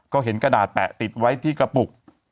ก็เห็นกระดาษแปะติดไว้ที่กระปุก